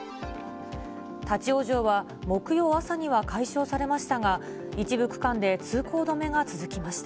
立往生は木曜朝には解消されましたが、一部区間で通行止めが続きました。